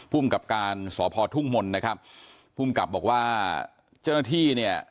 ภูมิกับการสพทุ่งมนต์นะครับภูมิกับบอกว่าเจ้าหน้าที่เนี่ย